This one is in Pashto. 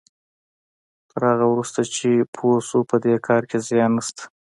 تر هغه وروسته چې پوه شو په دې کار کې زيان نشته.